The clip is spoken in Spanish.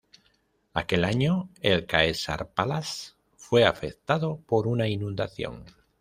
Aquel año, el Caesars Palace fue afectado por una inundación.